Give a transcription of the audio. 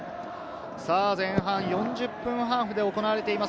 前半４０分ハーフで行われています。